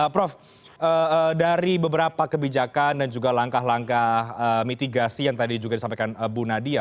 prof dari beberapa kebijakan dan juga langkah langkah mitigasi yang tadi juga disampaikan bu nadia